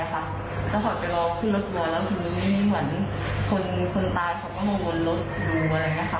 แล้วเขาไปรอขึ้นแล้วกลัวแล้วทีนี้เหมือนคนตายเขาก็มองวนรถอยู่อะไรอย่างเนี่ยค่ะ